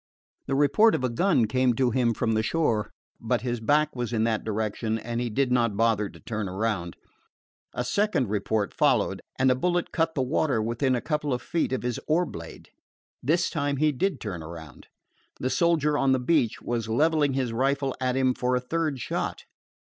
The report of a gun came to him from the shore, but his back was in that direction and he did not bother to turn around. A second report followed, and a bullet cut the water within a couple of feet of his oar blade. This time he did turn around. The soldier on the beach was leveling his rifle at him for a third shot.